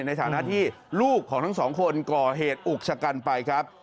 ในฐานะที่ลูกของทั้งสองคนก่อเหตุอุกชะกันไปครับ